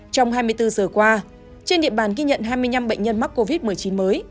trong hai mươi bốn giờ qua trên địa bàn ghi nhận hai mươi năm bệnh nhân mắc covid một mươi chín mới